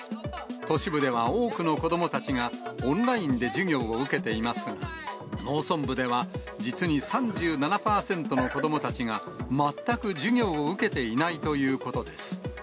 都市部では多くの子どもたちがオンラインで授業を受けていますが、農村部では、実に３７％の子どもたちが全く授業を受けていないということです。